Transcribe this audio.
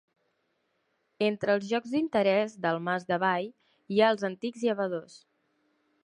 Entre els llocs d'interés del Mas d'Avall hi ha els antics llavadors.